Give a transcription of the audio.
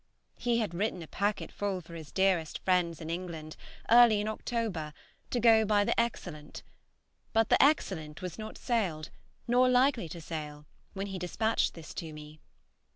He had written a packet full for his dearest friends in England, early in October, to go by the "Excellent;" but the "Excellent" was not sailed, nor likely to sail, when he despatched this to me.